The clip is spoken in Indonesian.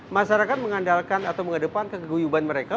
masyarakat mengandalkan atau mengedepankan keguyuban mereka